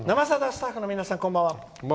スタッフの皆さんこんばんは。